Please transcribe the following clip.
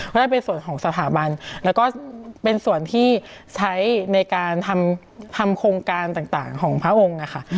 น่าจะเป็นส่วนของสถาบันแล้วก็เป็นส่วนที่ใช้ในการทำโครงการต่างของพระองค์ค่ะ